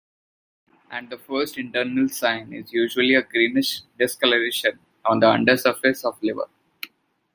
And the first internal sign is usually a greenish discoloration on undersurface of liver.